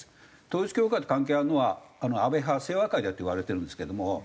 統一教会と関係があるのは安倍派清和会だっていわれてるんですけども。